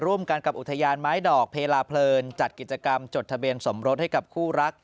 ร่วมกันกับอุทยานไม้ดอกเพลาเพลินจัดกิจกรรมจดทะเบียนสมรสให้กับคู่รัก